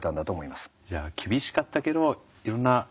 じゃあ厳しかったけどいろんな。